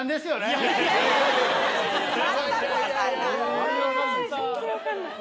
全然分かんない。